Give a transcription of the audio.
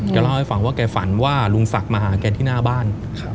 เล่าให้ฟังว่าแกฝันว่าลุงศักดิ์มาหาแกที่หน้าบ้าน